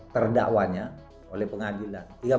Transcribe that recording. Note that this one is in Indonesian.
terdakwanya oleh pengadilan